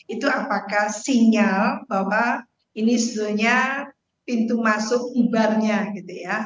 itu apakah sinyal bahwa ini sebenarnya pintu masuk ibarnya gitu ya